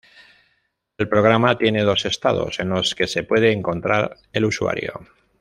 El programa tiene dos estados en los que se puede encontrar el usuario.